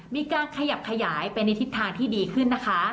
มีการขยับขยายไปในทิศทางที่ดีขึ้นนะคะ